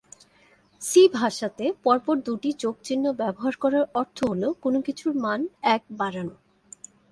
C ভাষাতে পর পর দুটি যোগ চিহ্ন ব্যবহার করার অর্থ হলো কোন কিছুর মান এক বাড়ানো।